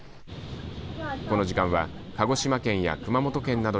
この時間は鹿児島県や熊本県など